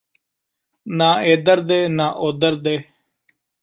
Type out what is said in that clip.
ਨਾ ਏਧਰ ਦੇ ਨਾ ਓਧਰ ਦੇ